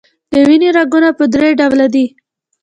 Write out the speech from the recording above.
د وینې رګونه په دری ډوله دي.